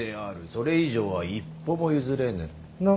それ以上は一歩も譲れぬ。